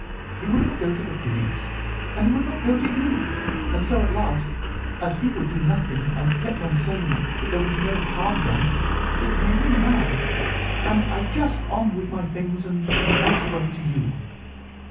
He would not go to the police, and he would not go to you, and so at last, as he would do nothing and kept on saying that there was no harm done, it made me mad, and I just on with my things and came right away to you."